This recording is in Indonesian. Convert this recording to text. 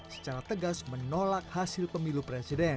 dan memilih pemilu presiden